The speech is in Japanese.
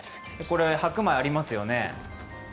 白米、ありますよね。